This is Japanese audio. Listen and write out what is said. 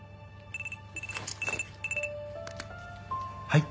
はい。